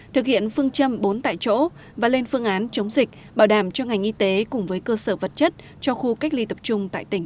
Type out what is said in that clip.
thực hiện phương châm bốn tại chỗ và lên phương án chống dịch bảo đảm cho ngành y tế cùng với cơ sở vật chất cho khu cách ly tập trung tại tỉnh